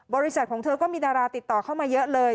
บริษัทของเธอก็มีดาราติดต่อเข้ามาเยอะเลย